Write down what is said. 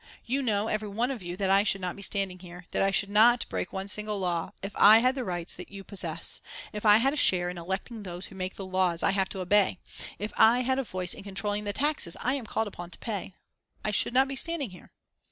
You know, every one of you, that I should not be standing here, that I should not break one single law if I had the rights that you possess, if I had a share in electing those who make the laws I have to obey; if I had a voice in controlling the taxes I am called upon to pay, I should not be standing here.